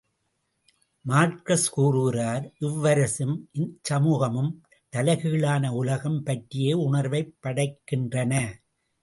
Marks கூறுகிறார் இவ்வரசும், இச்சமூகமும் தலைகீழான உலகம் பற்றிய உணர்வைப் படைக்கின்றன.